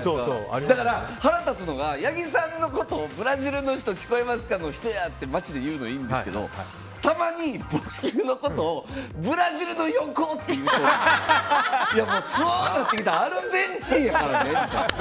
だから、腹立つのが八木さんのことをブラジルの人聞こえますかの人やって街で言うのは言うんですけどたまに僕のことをブラジルの横って言う人がおってそうなってきたらアルゼンチンやからねって。